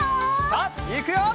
さあいくよ！